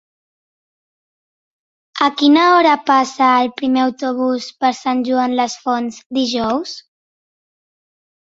A quina hora passa el primer autobús per Sant Joan les Fonts dijous?